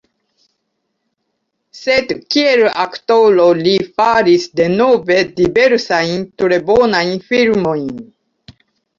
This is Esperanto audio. Sed kiel aktoro li faris denove diversajn tre bonajn filmojn.